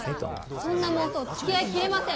そんな妄想付き合いきれません。